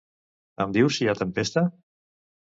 Em dius si hi ha tempesta?